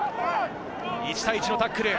１対１のタックル。